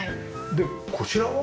でこちらは？